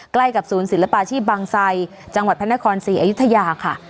ใกล้กับศูนย์ศิลปาชีพบางไซจังหวัดพระนครศรีอยุธยาค่ะ